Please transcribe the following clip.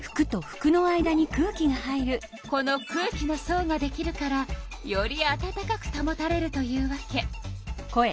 この空気の層ができるからより暖かくたもたれるというわけ。